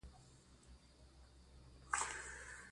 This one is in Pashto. افغانستان کې د تنوع د پرمختګ هڅې روانې دي.